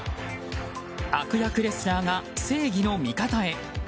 悪役レスラーが正義の味方へ。